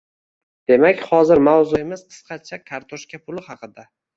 Demak, hozir mavzuimiz qisqacha, “kartoshka puli” haqida.